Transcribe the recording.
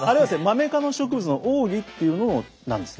マメ科の植物の黄耆っていうものなんですね。